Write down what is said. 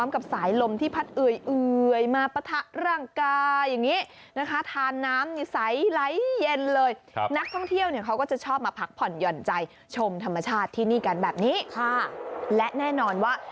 ค่ะและแน่นอนว่า